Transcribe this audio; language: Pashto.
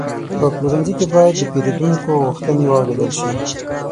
په پلورنځي کې باید د پیرودونکو غوښتنې واورېدل شي.